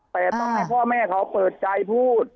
แต่ต้องให้พ่อแม่เขาเปิดใจพูด